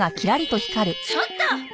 ちょっと！